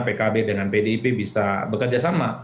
bagaimana pkb dengan pdip bisa bekerjasama